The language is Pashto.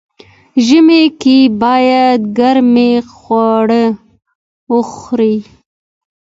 ژمی کی باید ګرم خواړه وخوري.